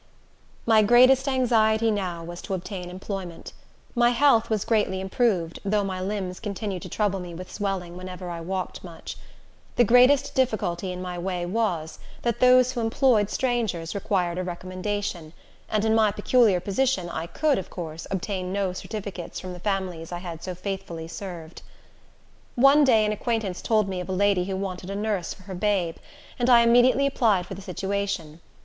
My greatest anxiety now was to obtain employment. My health was greatly improved, though my limbs continued to trouble me with swelling whenever I walked much. The greatest difficulty in my way was, that those who employed strangers required a recommendation; and in my peculiar position, I could, of course, obtain no certificates from the families I had so faithfully served. One day an acquaintance told me of a lady who wanted a nurse for her babe, and I immediately applied for the situation.